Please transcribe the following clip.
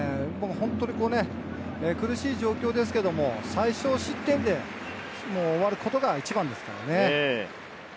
本当に苦しい状況ですけれど、最少失点で終わることが一番ですね。